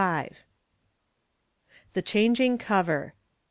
cover. The Changing Cover.